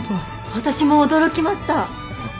私も驚きました！